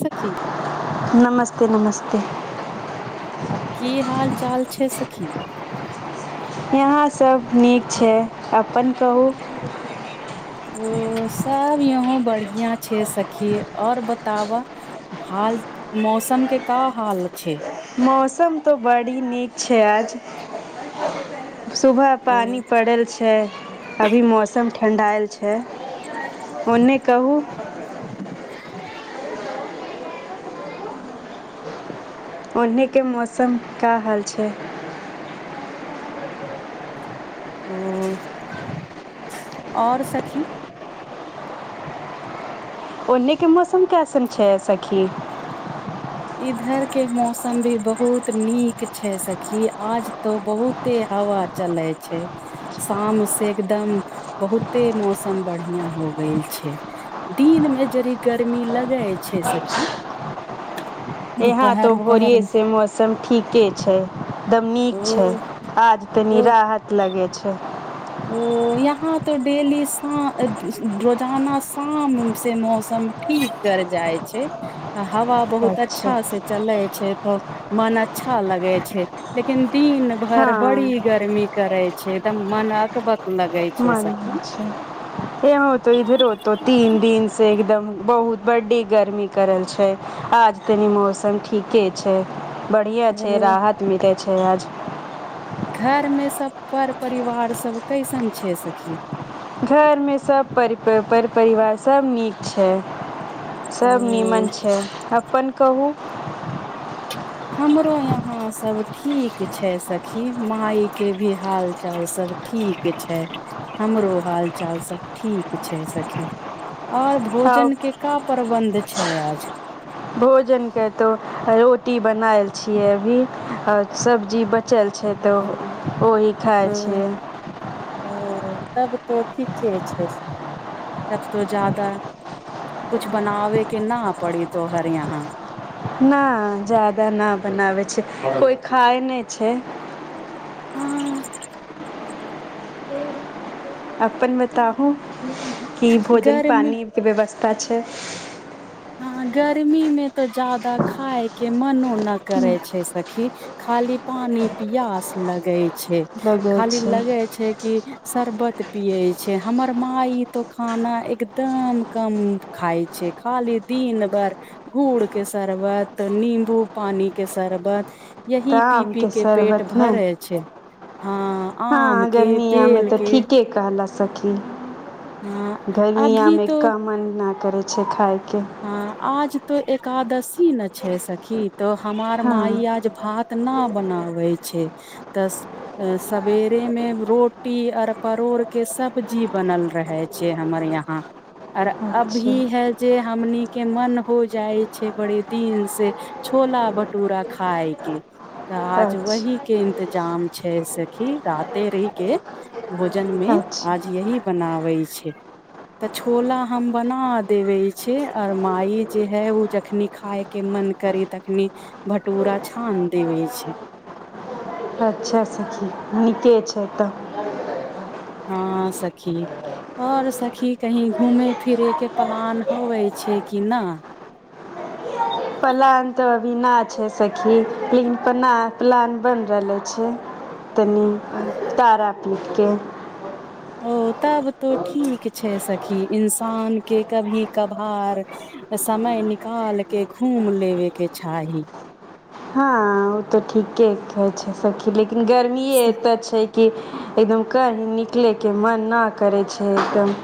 सखी नमस्ते नमस्ते की हाल चाल छै सखी खी यहाँ सब नीक छै अपन कहू ओ सभ यहुं बढ़ियां छै सखी और बताब हाल मौसम के का हाल छै मौसम तऽ बड़ी नीक छै आज सुबह पानि पड़ल छै अभी मौसम ठीक ठंडाएल छै ओने कहू ओन्हिके मौसम का हाल छै ओ आओर सखी ओन्ने के मौसम कैसन छै सखी इधर के मौसम भी बहुत नीक छै सखी आज तो बहुते हवा चले छै शाम से एकदम बहुते मौसम बढ़ियां हो गैल छै दिन मे जड़ी गर्मी लगे छै स खी यहाँ त भोरियेसे मौसम ठीके छै दम ओ नीक छै आज तनी ओ राहत लगै छै ओ यहाँ तो डेली शा रोजाना शाम से मौसम ठीक कर जाइ छै हवा बहुत अच्छा से चले छै तब मन अच्छा लगै छै लेकिन दिन भर बड़ी हँ गर्मी करइ छैदम मन आ है बक मन होई छै यहों त इधरो त तीन दिन से एकदम बहुत बड्डी गर्मी करल छै आज तनी मौसम ठीके छै बढ़िआ छै ओ राहत मिले छै छै आज घरमे सब घर परिवारसभ कैसन छै सखी घरमे सब परि पर परि परिवार सब नीक छै सब ओ नीमन छै अपन कहू हमरो यहाँ सब ठीक छै सखी मायके भी हालचाल सब ठीक छै हमरो हालचाल सब ठीक छै सखी आओर आ भोजन के कप परबन्ध छै आज बनाएल छियै अभी आओ सब्जी बचल छै त ओही खाइ ओ छियै ओ तब तो ठीके छै सखी तब तो जादा कुछ बनाबे के न पड़ी तोहर यहाँ न जदा न बनावै छै कोइ खाय नहि छै हँ अपन बताहू कि भोजन गर्मी पानी के व्यवस् पाछे हँ गर्मी मे तो जादा खायके मनो नइ न करै छै स खी खाली पानी पियास लगै छै लगै खाली छै लगे छै कि शरबत पियै छै हमर माई त खाना एकदम कम खाइ छै खाली दिन भर गुड़ के शरबत नींबू पानी के शरबत यही तऽ पी आम पी के पेट शरबत ने भरै छै हँ आम हँ के गर्मिया मे बेल तऽ के ठीके कहलस सखी हँ गर्मिया अभी मे तो का महिना करै छै खाइ हँ आज तो एकादशी न छै सखी तऽ हमार हँ माइ आज भात न बनाबै छै तऽ सबेरे मे रोटी आर परोड़ के सब्जी बनल रहे छै हमर यहाँ आर अच्छा अभी है जे हमणी के मन हो जाइ छै बड़े दिन से छोला भटूरा खाय के तऽ आज वही अच्छा के त जाम छै सखी राते रहि के भोजन मे अच्छा आज यही बनाबे छै तऽ छोला हम बना देबे छै आओर मााय जे है ओ जखनी खायके मन करी तखनी भटूरा छान देबे छै अच्छा सखी नीके छै तऽ हँ सखी और सखी कही घूमेय फिरैके प्लान होवै छै कि ना पलान तऽ अभी ना छै सखी लेकिन पना प्लान बनि रहलै छै तनी ओ तारा पिठ के ओ तब तो ठीक छै सखी इंसानके कभी कभार समय निकाल के घूमि लेबेके चाही हँ ओ तऽ ठीके कहै छै सखी गर्मि एतऽ छै कि एकदम कही निकलेके मन न करै छै एकदम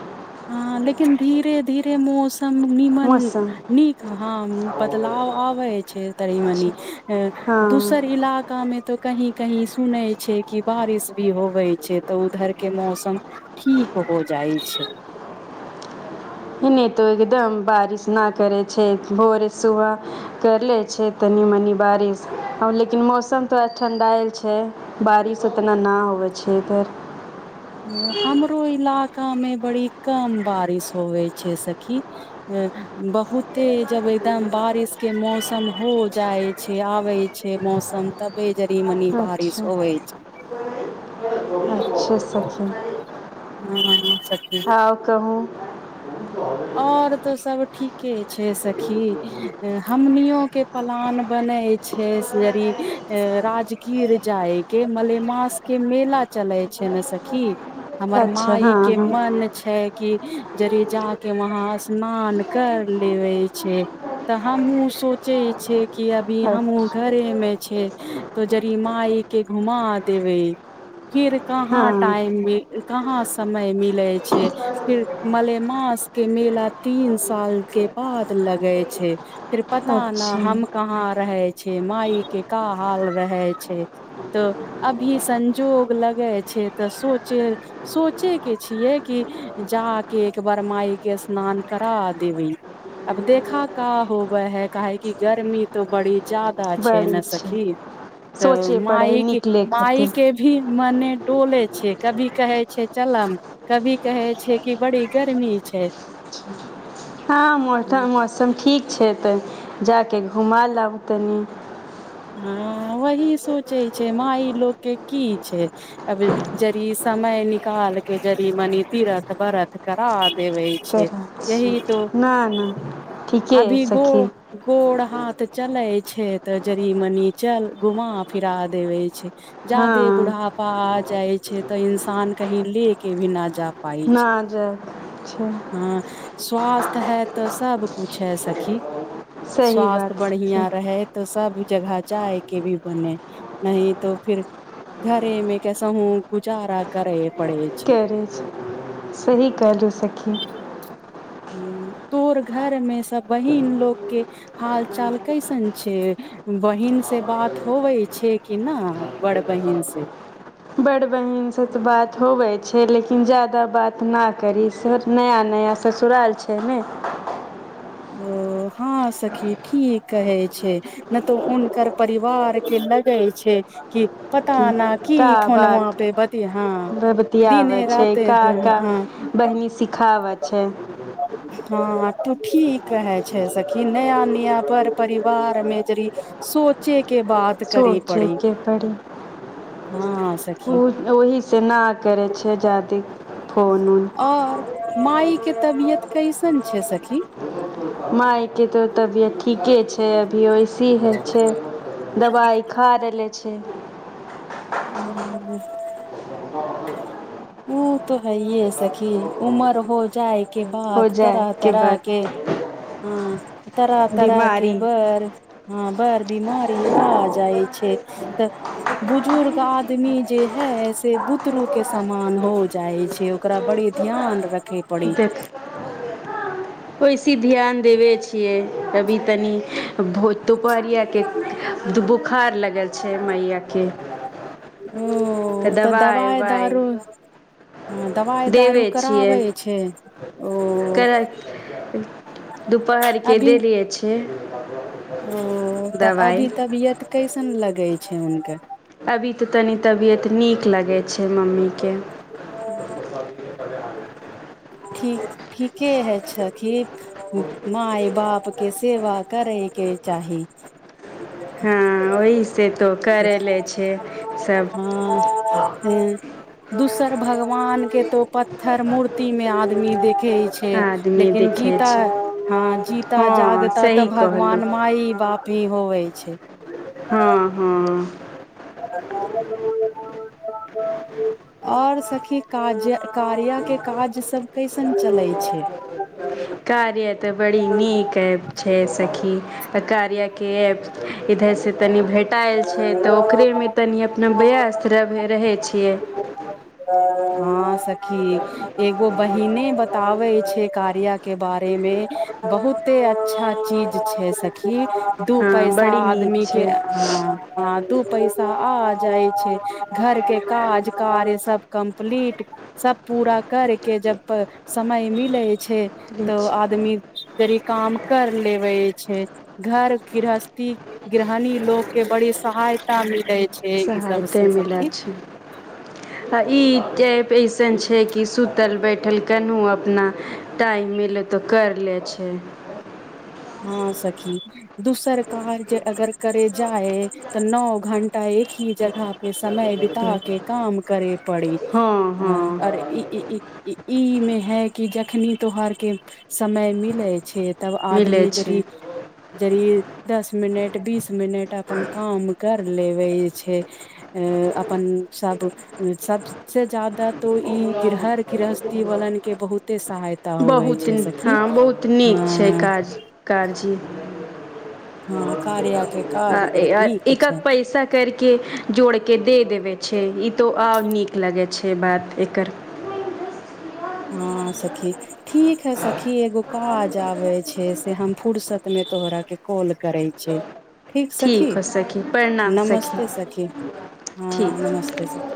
हँ लेकिन धीरे धीरे मोस नीमन मौसम नीक हॅं बदलाव आबै छै तनी मनी छै है हँ दूसर इलाका मे तऽ कही कहीं सुनै छै कि बारिश भी होवै छै तऽ उधर के मौसम ठीक हो जाइ छै नहि तऽ एकदम बारिश नहि करै छै भोरे सुबह करि लै छै तनि मनि बारिश आब लेकिन मौसम तोड़ ठण्डायल छै बारिश उतना नहि होैवै छै इधर हमरो इलाकामे बड़ी कम बारिश होवै छै सखी बहुते जब एकदम बारिशके मौसम हो जाइ छै आबै छै मौसम तबे जड़ी मनी बारिश अच्छा होबै छै अच्छा सखी हूँ आउ कहू आओर तऽ सभ ठीके छै सखी हमनियोके प्लान बनै छै राजगीर जायके मलेमासके मेला चलै छै ने सखी हमर अच्छा हँ माय के हँ मन छै कि जरी जा के वहाँ स्नान कर लेबे छै तऽ हमहु सोचै छीयै कि अभी हमहु अच्छा घरे मे छै तो जरी माय के घुमा देबे फिर कहाँ हँ टाइम मिल कहाँ समय मिले छै फिर मलेमास के मेला तीन साल के बाद लगे छै फीर पता न अच्छा हम कहाँ रहे छी माय के का हाल रहै छै तऽ अभी संजोग लगे छै तऽ सोचे सोचे के छियै कि जा के एक बार माय के स्नान करा देबय अब देखा क होबए है काहै कि गर्मी तो बड़ी जादा छै ने सखी तऽ सोचय पड़ै हइ मायके निकलै माय खातिर के भी मने डोले छै कभी कहे छै चलम कभी कहे छै कि बड़ी गर्मी छै हँ मठम मौसम ठीक छै तऽ जा कऽ घुमाय लाबु तनि हँ वही सोचै छै माय लोक के की छै अब जड़ी समय निकाल के जड़ी मनी तीरथ व्रत करा देवे छै करै छी यही तो नहि नहि ठीके हइ अभी गो सखी गोड़ हाथ चलै छै तऽ जड़ि मनी चल घुमा फिरा देवे छै जा हँ दे बुढ़ाप पा आ जाइ छै तऽ इंसान कहीं ले के भी न जा प पाइ छै नहि जाइके छै हँ स्वास्थ है तऽ सब कुछ है सखी सही स्वास्थ बात सखी बढ़िया रहै तऽ ऊ जगह जायके भी बने नही तो फिर घरे मे कैसहू गुजारा करे पड़े छै केरेज सही [unintelligible] कहलू सखी तोर घरमे सब बहिन लोकके हाल चाल कैसन छै बहिन से बात होबै छै कि ना बड़ बहिन से बड़ बहीनसँ तऽ बात होबै छै लेकिन ज्यादा बात नाह करी से नया नया ससुराल छै ने ओ हँ सखी ठीक कहै छै ना तऽ हुनकर परिवार के लगै छै कि पता कि न की का फोनमा बात पे बती हँ बभबतियाबै दिने छै राते का हँ का हँ बहिनी सिखाबै छै तु ठीक कहै छै सखी नया निया पर परिवार मे जरी सोचे के बात करी पड़ी सोचेके परी हँ ओ सखी ओहि से न करै छैजादी और मााय के तबियत कैसन छै सखी माय के तो त बीयत ठीके छै अभी ऐसे हे छै दवाई खा रहले छै छे ह ह ओ तऽ है य सखी उमर हो जाए के हो बाद तरह जाइके तरह बाद के हं तरह तरह के बीमारी बेर हं [inaudible] बीमारी आ जाइ छै तऽ बुजुर्ग आदमी जे है से बुतरू के सामान हो जाइ छै ओकरा बड़ी ध्यान रखे पड़ी देख ओइस बेसी ध्यान देबै छियै अभी तनी भोत तोपारियाके दु बु बुखार लगल छै मैयाके ओ अ तऽ दबाइ दवाइ उबाइ दारू हँ दवाई दारू देबे छियै कराबै छै ओ कर दुपहरके अभी देलेय छै ओ तऽ दबाइ अभी तबियत कैसन लगे छै हुनकर अभी तऽ तनी तबियत नीक लगैत छै मम्मीके ह ठीक ठीके है छखखि माय बाप के सेवा करयके चाही नऔइस से तऽ करि लै छै सभ हँ ह दूसर भगवान के तो पत्थर मूर्ति मे आदमी देख केछै आदमी लेकिन देखै जीता छै हँ जीता हँ जागता तऽ सही भगवान कहलहुँ माइ बाप भी होवै छै आ हँ [unintelligible] हँ आओर सखी काजक कार्याके काजसभ कैसन चलै छै ह [unintelligible] कार्य तऽ बड़ी नीक ऐप छै सखी त कार्यके ऐप इधरसँ तनि भेट पटायल छै तऽ ओकरेमे तनी अपना व्यस्त रहबे रहै छियै हँ सखी एगो बहिने बताबे छै कार्या के बारे मे बहुते अच्छा चीज छै सखी दू हँ पैसा बड़ी नीक आदमी के हं आ दू पैसा आ जाइ छै घर के काज कार्य सब कम्प्लीट सब पूरा कर के जब समय मिले छै तऽ आदमी री काम कर लेबे छै घर गृहस्थी गृहणी लोक के बड़ी सहायता मिले सहायते मिलैत छै आ ई टेप इस एसन छै कि सुतल बैठल केनू अपना टाइम मिलै तऽ कर ले छै हँ सखी दोसर कार्य अगर करे जाय तऽ नओ घंटा एक ही जगह पे समय बित के काम करे पड़ी हँ आ हँ अरे ई इ मे है कि जखनी तोहार के समय मिले छै तब मिलै आदमी छै जरी जरी दस मिनट बीस मिनट अपन काम कर लेबे छै अ अपन सब सबसे जादा तो ई गृहर गृहस्थी वालन के बहुते सहायता होवे बहुत छै हँ सखी बहुत नीक छै हँ काज काज इ हँ कार्या के काज आ बड़ी नीक एक छै पैसा करके जोड़के दे देबै छैे ई तऽ आउर नीक लगै छै बात एकर हँ सखी ठीक हइ सखी एगो काज आबैत छै से हम फुर्सतमे तोहराके कॉल करैत छी ठीक सखी हो सखी प्रणाम नमस्ते सखी हँ ठीक नमस्ते सखी